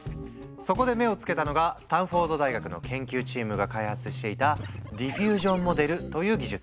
そこで目をつけたのがスタンフォード大学の研究チームが開発していたディフュージョンモデルという技術。